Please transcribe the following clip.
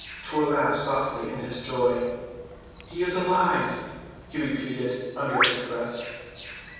Tor laughed softly in his joy. "He is alive!" he repeated under his breath.